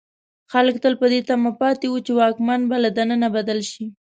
خلک تل په دې تمه پاتې وو چې واکمن به له دننه بدل شي.